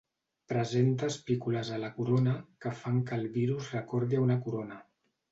Presenta espícules a la corona que fan que el virus recordi a una corona.